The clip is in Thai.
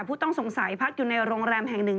ผู้ต้องสงสัยพักอยู่ในโรงแรมแห่งหนึ่ง